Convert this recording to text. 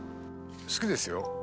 好きですよ